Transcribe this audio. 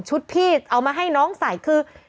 พี่เอามาให้น้องใส่คือ